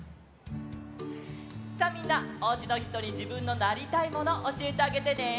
さあみんなおうちのひとにじぶんのなりたいものおしえてあげてね。